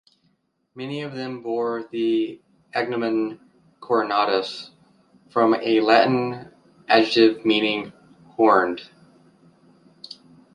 Many of them bore the agnomen "Cornutus", from a Latin adjective meaning "horned".